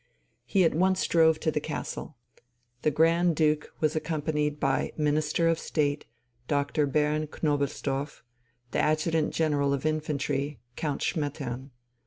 He at once drove to the castle. The Grand Duke was accompanied by Minister of State, Dr. Baron Knobelsdorff, and Adjutant General of Infantry, Count Schmettern.